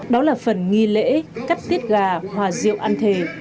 đó là phần nghi lễ cắt tiết gà hòa rượu ăn thề